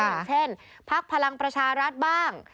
อย่างเช่นพักพลังประชารัฐบ้าง